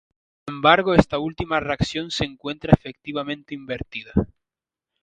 Sin embargo esta última reacción se encuentra efectivamente invertida.